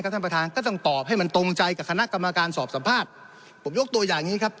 ท่านประธานก็ต้องตอบให้มันตรงใจกับคณะกรรมการสอบสัมภาษณ์ผมยกตัวอย่างงี้ครับ